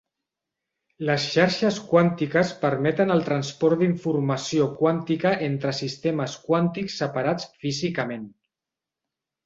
Les xarxes quàntiques permeten el transport d'informació quàntica entre sistemes quàntics separats físicament.